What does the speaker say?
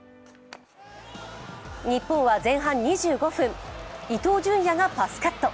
日本は前半２５分、伊東純也がパスカット。